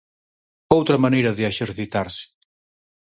Outra maneira de exercitarse.